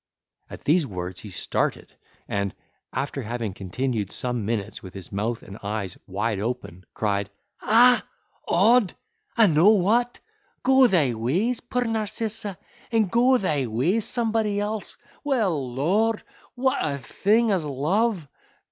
At these words he started, and, after having continued some minutes with his mouth and eyes wide open, cried, "Ah!—odd, I know what! go thy ways, poor Narcissa, and go thy ways somebody else—well—Lord, what a thing is love!